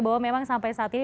bahwa memang sampai saat ini